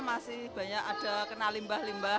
masih banyak ada kena limbah limbah